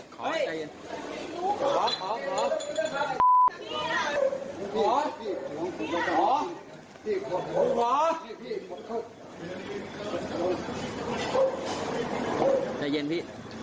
ใจเย็นพี่